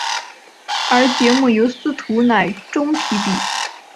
而节目由司徒乃钟题笔。